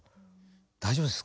大丈夫です。